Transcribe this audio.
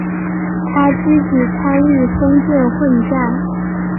他积极参与封建混战。